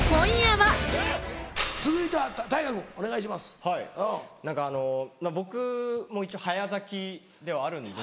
はい何かあの僕も一応早咲きではあるんです。